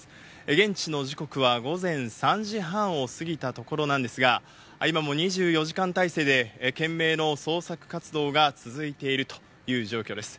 現地の時間は午前３時半を過ぎたところなんですが、今も２４時間態勢で、懸命の捜索活動が続いているという状況です。